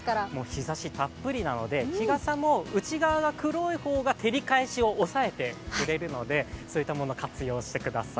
日ざしたっぷりなので日傘も内側が黒い方が照り返しを抑えてくれるのでそういったものを活用してください。